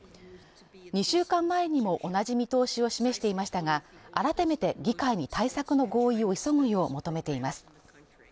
２週間前にも同じ見通しを示していましたが、改めて議会に対策の合意を急ぐよう求めています